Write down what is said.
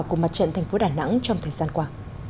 của mặt trận tp đà nẵng trong thời gian qua